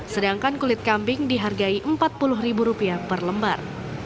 sedangkan kulit kambing dihargai empat puluh ribu rupiah per lembar